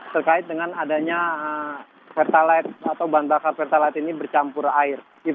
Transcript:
terkait dengan adanya pertalite atau bahan bakar pertalite ini bercampur air